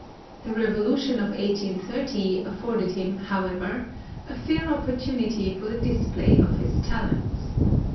The revolution of 1830 afforded him, however, a fair opportunity for the display of his talents.